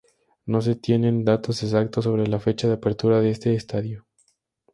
No se tienen datos exactos sobre la fecha de apertura de este estadio.